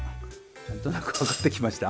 なんとなくわかってきました？